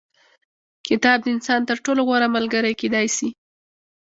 کتاب د انسان تر ټولو غوره ملګری کېدای سي.